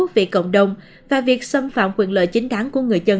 vì cộng đồng và việc xâm phạm quyền lợi chính đáng của người dân